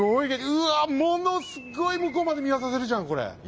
うわものすごい向こうまで見渡せるじゃんこれ。